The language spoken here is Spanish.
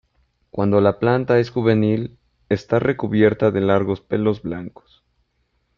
Cuando la planta es juvenil, está recubierta de largos pelos blancos.